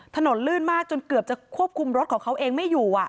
ลื่นมากจนเกือบจะควบคุมรถของเขาเองไม่อยู่